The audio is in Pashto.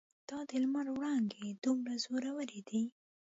دا د لمر وړانګې دومره زورورې دي.